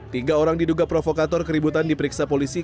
tiga orang diduga provokator keributan diperiksa polisi